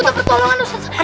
butuh pertolongan ustadz ustadz